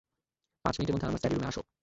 পাঁচ মিনিটের মধ্যে আমার স্টাডি রুমে আসো।